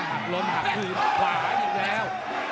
หักล้มหักคืนขวาอีกแล้ว